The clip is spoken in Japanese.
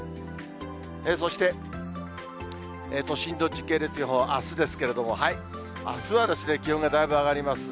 そして、都心の時系列予報、あすですけれども、あすは気温がだいぶ上がります。